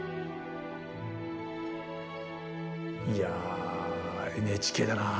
いやＮＨＫだなあ。